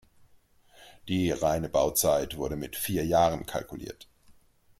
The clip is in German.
Die reine Bauzeit wurde mit vier Jahren kalkuliert.